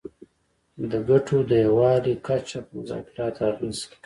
د ګټو د یووالي کچه په مذاکراتو اغیزه کوي